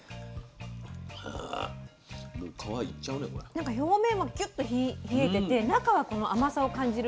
なんか表面はキュッと冷えてて中はこの甘さを感じる。